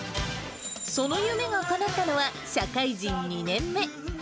その夢がかなったのは、社会人２年目。